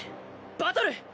バトル！